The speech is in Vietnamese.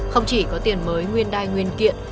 không chỉ có tiền mới nguyên đai nguyên kiện